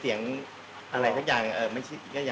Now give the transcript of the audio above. ที่แรกผมคิดว่าคุณพูดมีเสียงอะ